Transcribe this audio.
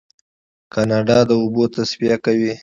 کاناډا د اوبو تصفیه کوي.